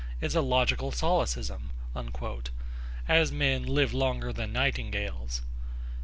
. is a logical solecism,' as men live longer than nightingales.